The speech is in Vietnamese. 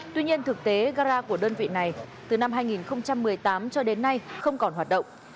tuy nhiên thực tế gara của đơn vị này từ năm hai nghìn một mươi tám cho đến nay không còn hoạt động